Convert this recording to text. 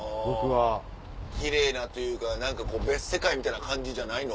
キレイなというか別世界みたいな感じじゃないの？